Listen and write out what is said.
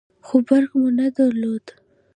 خو برق مو نه درلود.